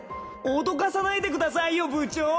脅かさないでくださいよ部長！